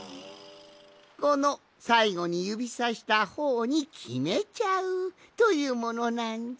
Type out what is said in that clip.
このさいごにゆびさしたほうにきめちゃう！というものなんじゃ。